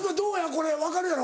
これ分かるやろ？